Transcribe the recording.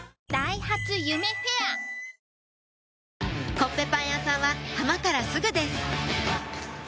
コッペパン屋さんは浜からすぐです